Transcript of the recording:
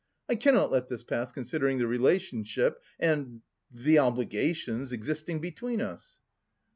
I cannot let this pass considering the relationship and... the obligations existing between us."